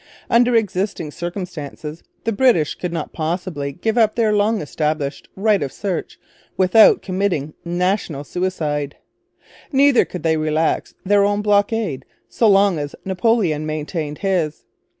Under existing circumstances the British could not possibly give up their long established Right of Search without committing national suicide. Neither could they relax their own blockade so long as Napoleon maintained his.